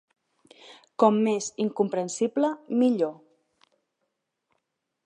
Com més incomprensible, millor.